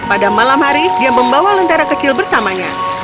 pada malam hari dia membawa lentera kecil bersamanya